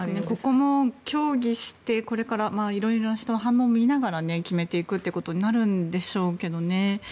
ここも協議していろいろな人の反応を見ながら決めていくことになるんでしょうけどね。